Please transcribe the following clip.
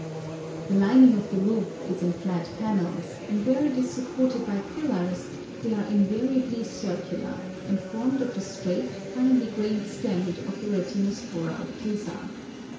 The lining of the roof is in flat panels, and where it is supported by pillars they are invariably circular, and formed of the straight, finely grained stem of the Retinospora obtusa.